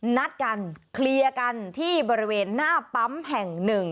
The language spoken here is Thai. นัดกันเคลียร์กันที่บริเวณหน้าปั๊มแห่งหนึ่ง